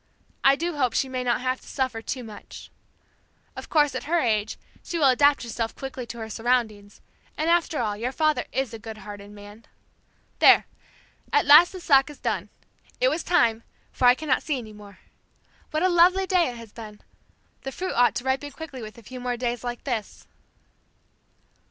I do hope she may not have to suffer too much. Of course, at her age she will adapt herself quickly to her surroundings, and after all, your father is a good hearted man. There! At last the sock is done! It was time, for I cannot see any more. What a lovely day it has been! The fruit ought to ripen quickly with a few more days like this."